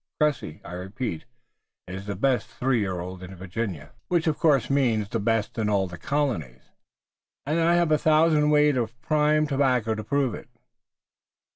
Cressy, I repeat, is the best three year old in Virginia, which of course means the best in all the colonies, and I have a thousand weight of prime tobacco to prove it."